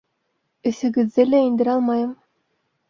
Өҫөгөҙҙө лә индерә алмайым.